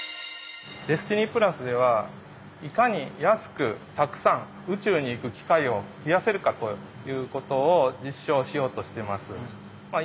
ＤＥＳＴＩＮＹではいかに安くたくさん宇宙に行く機会を増やせるかということを実証しようとしてます。